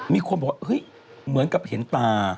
มีคนบอกว่าเฮ้ยเหมือนกับเห็นตา